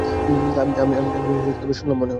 আমি শুনলাম মনে হলো।